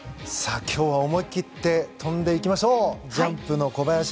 今日は思い切って飛んでいきましょう！